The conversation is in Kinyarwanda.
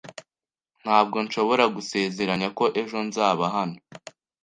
Ntabwo nshobora gusezeranya ko ejo nzaba hano